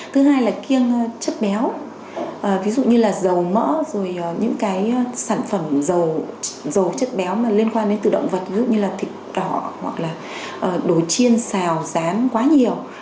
thứ hai là kiêng chất béo ví dụ như là dầu mỡ rồi những cái sản phẩm dầu chất béo mà liên quan đến từ động vật ví dụ như là thịt đỏ hoặc là đồ chiên xào rán quá nhiều